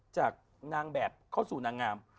จากนางแบบเข้าสู่นางงาม